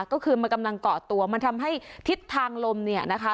ก็คือมันกำลังเกาะตัวมันทำให้ทิศทางลมเนี่ยนะคะ